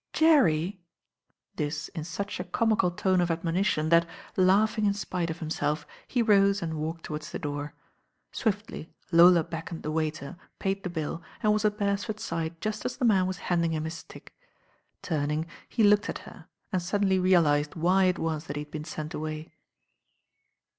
"Jerry!" This in such a comical tone of admo. nition that, laughing in spite of himself, he rose and walked towards the door. Swiftly Lola beckoned the waiter, paid the bill, tnd was at Beresford't side just as the man WM handing him his stick. Turning, he looked at her and suddenly realised why it was that he had been sent away.